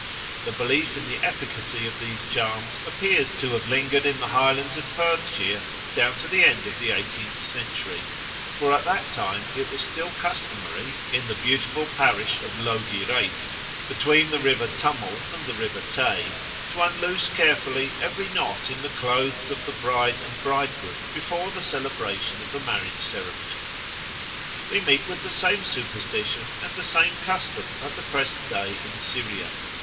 The belief in the efficacy of these charms appears to have lingered in the Highlands of Pertshire down to the end of the eighteenth century, for at that time it was still customary in the beautiful parish of Logierait, between the river Tummel and the river Tay, to unloose carefully every knot in the clothes of the bride and bridegroom before the celebration of the marriage ceremony. We meet with the same superstition and the same custom at the present day in Syria.